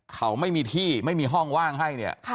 เขาไม่มีที่ไม่มีห้องว่างให้เนี่ย